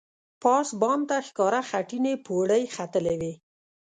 پاس بام ته ښکاره خټینې پوړۍ ختلې وې.